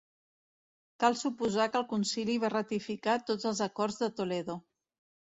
Cal suposar que el concili va ratificar tots els acords de Toledo.